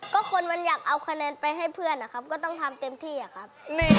ก็คนมันอยากเอาคะแนนไปให้เพื่อนนะครับก็ต้องทำเต็มที่อะครับ